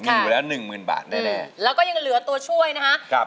มีอยู่อยู่แล้วนึงหมื่นบาทแน่แน่อืมแล้วก็ยังเหลือตัวช่วยนะครับครับ